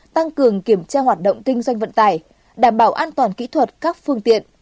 tăng cường kiểm tra hoạt động kinh doanh vận tải đảm bảo an toàn kỹ thuật các phương tiện